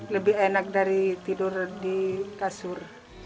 lebih enak dari tidur di kasur